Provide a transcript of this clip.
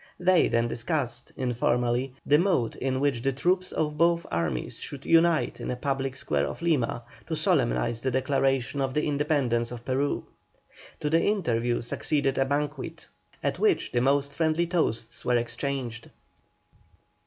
They then discussed, informally, the mode in which the troops of both armies should unite in the public square of Lima to solemnise the declaration of the independence of Peru. To the interview succeeded a banquet, at which the most friendly toasts were exchanged.